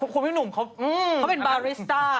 คุณพี่หนุ่มเขาเป็นบาริสต้า